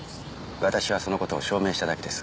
私はその事を証明しただけです。